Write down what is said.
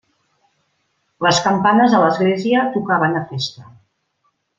Les campanes de l'església tocaven a festa.